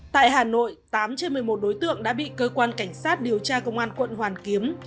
tại hà nội tám trên một mươi một đối tượng đã bị cơ quan cảnh sát điều tra công an quận hoàn kiếm